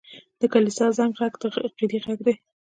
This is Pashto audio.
د کلیسا زنګ ږغ د عقیدې غږ دی.